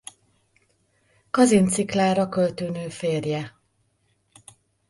Kazinczy Klára költőnő férje.